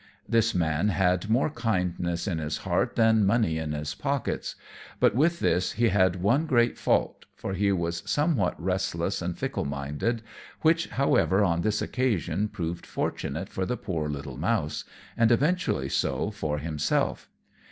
This man had more kindness in his heart than money in his pockets; but with this he had one great fault, for he was somewhat restless and fickle minded, which, however, on this occasion proved fortunate for the poor little mouse, and eventually so for himself.